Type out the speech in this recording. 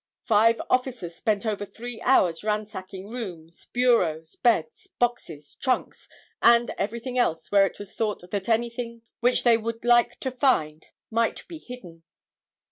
Five officers spent over three hours ransacking rooms, bureaus, beds, boxes, trunks and everything else where it was thought that anything which they would like to find might be hidden.